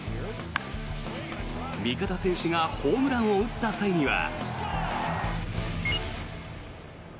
味方選手がホームランを打った際には。